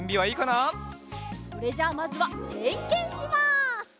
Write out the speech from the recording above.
それじゃまずはてんけんします。